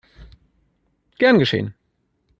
Gern geschehen!